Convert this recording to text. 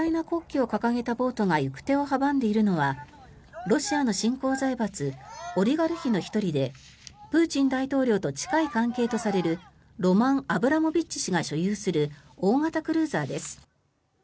国旗を掲げたボートが行く手を阻んでいるのはロシアの新興財閥オリガルヒの１人でプーチン大統領と近い関係とされるロマン・アブラモビッチ氏が所有する大型クルーザーです。